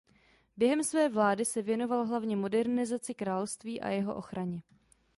Během své vlády se věnoval hlavně modernizaci království a jeho ochraně.